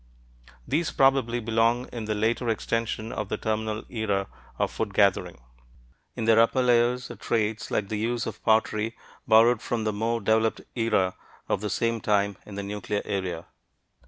These probably belong in the later extension of the terminal era of food gathering; in their upper layers are traits like the use of pottery borrowed from the more developed era of the same time in the nuclear area.